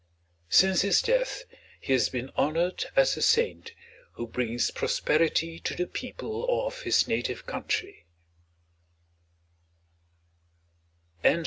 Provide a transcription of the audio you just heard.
Since his death he has been honored as a saint who brings prosperity to the people of his native country.